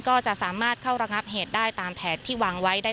ก็จะสามารถเข้าระงับเหตุได้ตามแผนที่วางไว้ได้